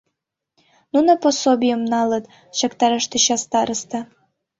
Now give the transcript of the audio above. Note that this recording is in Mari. — Нуно пособийым налыт! — чактараш тӧча староста.